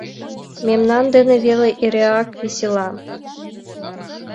Мемнан дене веле эреак весела.